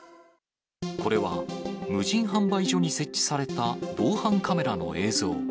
これは、無人販売所に設置された防犯カメラの映像。